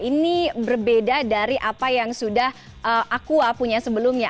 ini berbeda dari apa yang sudah aqua punya sebelumnya